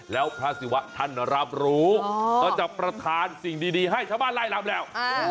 แล้วพระศิวะท่านรับรู้ก็จะประทานสิ่งดีให้ชาวบ้านไล่ลำแล้ว